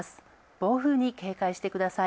暴風に警戒してください。